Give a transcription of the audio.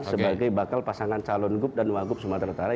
sebagai bakal pasangan calon gub dan wagub sumatera utara